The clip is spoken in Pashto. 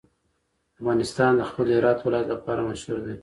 افغانستان د خپل هرات ولایت لپاره مشهور دی.